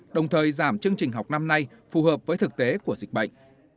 đồng thời giảm chương trình học năm nay phù hợp với thực tế của dịch bệnh